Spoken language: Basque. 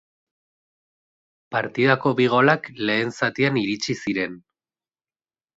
Partidako bi golak lehen zatian iritsi ziren.